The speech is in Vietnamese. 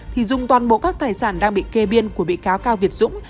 thì dùng toàn bộ các tài sản đang bị kê biên của bị cáo cao việt dũng